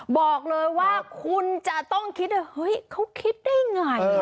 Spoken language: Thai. บอกเลยว่าคุณจะต้องคิดว่าเฮ้ยเขาคิดได้ไง